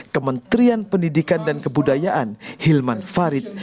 kementerian pendidikan dan kebudayaan hilman farid